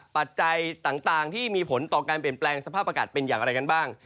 ปัจจัยต่างที่มีผลต่อการเปลี่ยนแปลงสภาพอากาศเป็นอย่างไรกันบ้าง